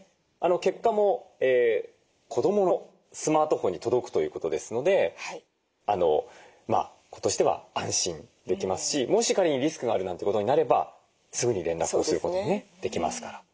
結果も子どものスマートフォンに届くということですので子としては安心できますしもし仮にリスクがあるなんてことになればすぐに連絡をすることがねできますから。